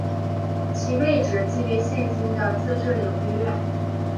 其位置即为现今的自治领剧院。